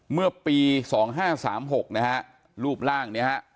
เมื่อปีสองห้าสามหกนะฮะรูปร่างเนี้ยฮะ